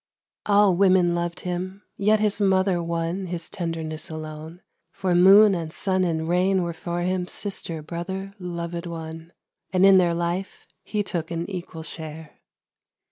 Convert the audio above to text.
All women loved him, yet his mother won His tenderness alone, for Moon and Sun And Rain were for him sister, brother, lovèd one, And in their life he took an equal share.